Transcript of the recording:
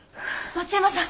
松山さん